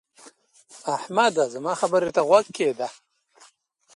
احمده! زما خبرې ته غوږ کېږده.